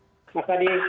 terima kasih mas